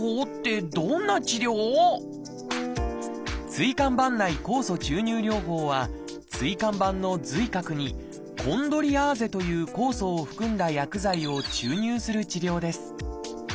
「椎間板内酵素注入療法」は椎間板の髄核に「コンドリアーゼ」という酵素を含んだ薬剤を注入する治療です。